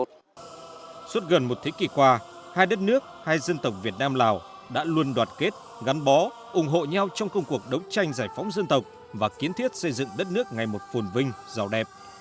từ thế kỷ qua hai đất nước hai dân tộc việt nam lào đã luôn đoạt kết gắn bó ủng hộ nhau trong công cuộc đấu tranh giải phóng dân tộc và kiến thiết xây dựng đất nước ngày một phùn vinh giàu đẹp